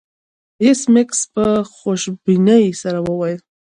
ایس میکس په خوشبینۍ سره وویل